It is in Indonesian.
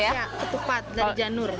iya ketupat dari janur